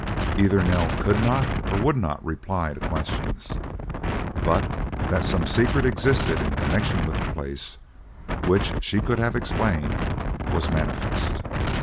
Either Nell could not or would not reply to questions, but that some secret existed in connection with the place, which she could have explained, was manifest.